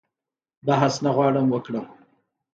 بحث نه غواړم وکړم.